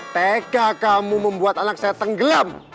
tk kamu membuat anak saya tenggelam